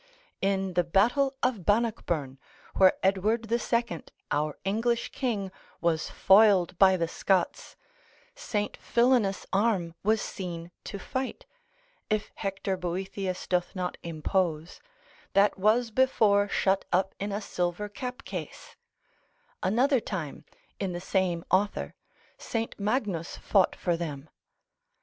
In the battle of Bannockburn, where Edward the Second, our English king, was foiled by the Scots, St. Philanus' arm was seen to fight (if Hector Boethius doth not impose), that was before shut up in a silver cap case; another time, in the same author, St. Magnus fought for them.